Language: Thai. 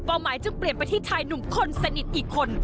หมายจึงเปลี่ยนไปที่ชายหนุ่มคนสนิทอีกคน